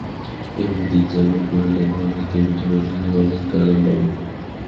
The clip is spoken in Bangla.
এভাবে তিন-চারবার করলে ঘাড় এবং পিঠের ব্যথা থেকে অনেকটা আরাম পাবেন।